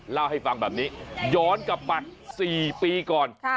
เล่าให้ฟังแบบนี้ย้อนกลับมา๔ปีก่อน